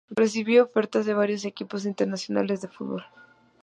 Recibió ofertas de varios equipos internacionales de fútbol.